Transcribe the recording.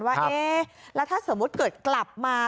ว่าเอ๊ะแล้วถ้าสมมุติเกิดกลับมา